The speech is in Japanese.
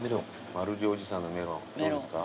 丸次おじさんのメロンどうですか。